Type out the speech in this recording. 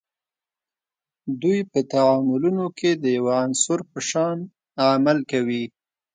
دوی په تعاملونو کې د یوه عنصر په شان عمل کوي.